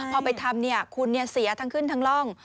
พอไปทำเนี่ยคุณเนี่ยเสียทั้งขึ้นทั้งร่อง